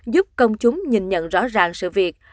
giúp công chúng nhìn nhận rõ ràng sự việc